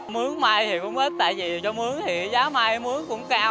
mướn mai thì cũng ít tại vì cho mướn thì giá mai mướn cũng cao